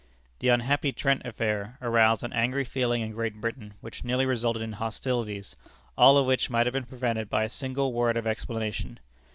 The unhappy Trent affair aroused an angry feeling in Great Britain which nearly resulted in hostilities, all of which might have been prevented by a single word of explanation.